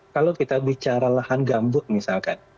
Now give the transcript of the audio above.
kalau kita bicara lahan gambut misalkan